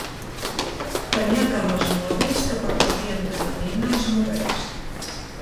Tenia cames mòbils que permetien que la nina es mogués.